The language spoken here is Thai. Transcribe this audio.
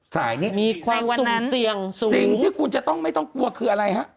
สายนี้มีความสุ่มเสี่ยงสูงสิ่งที่คุณจะต้องไม่ต้องกลัวคืออะไรฮะ